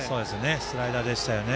スライダーでしたね。